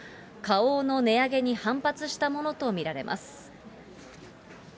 花王の値上げに反発したものと見られます。